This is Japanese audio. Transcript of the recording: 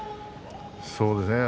そうですね。